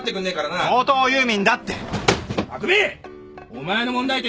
お前の問題点